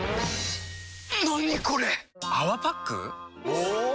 お！